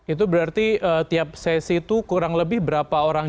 itu berarti tiap sesi itu kurang lebih berapa orang